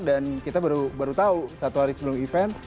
dan kita baru tahu satu hari sebelum event